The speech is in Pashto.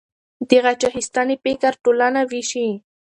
د غچ اخیستنې فکر ټولنه ویشي.